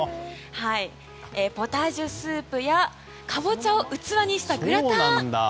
ポタージュスープやカボチャを器にしたグラタン。